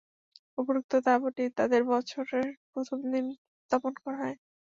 উপরোক্ত তাঁবুটি তাদের বছরের প্রথম দিন স্থাপন করা হয়।